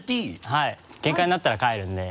はい限界になったら帰るんで。